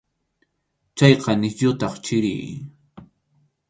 Chayqa nisyutaq chiri.